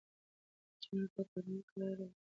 جمله په کراره کراره وايه